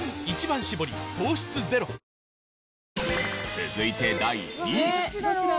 続いて第２位。